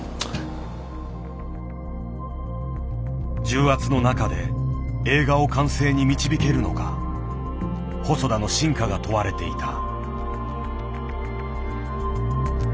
重圧の中で映画を完成に導けるのか細田の真価が問われていた。